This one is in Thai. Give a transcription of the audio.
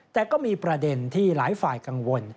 แต่ก็มีประเด็นที่หลายฝ่ายกังวล